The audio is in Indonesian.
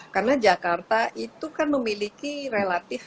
karena jakarta itu kan memiliki relatif